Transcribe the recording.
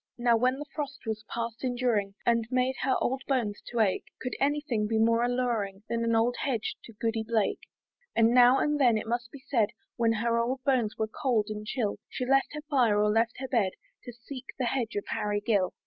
Now, when the frost was past enduring, And made her poor old bones to ache, Could any thing be more alluring, Than an old hedge to Goody Blake? And now and then, it must be said, When her old bones were cold and chill, She left her fire, or left her bed, To seek the hedge of Harry Gill.